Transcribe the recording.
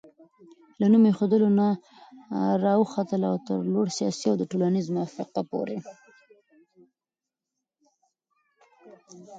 له نوم ايښودلو نه راواخله تر لوړ سياسي او ټولنيز موقفه پورې